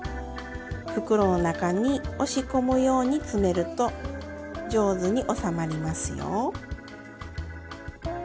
袋の中に押し込むように詰めると上手に収まりますよ。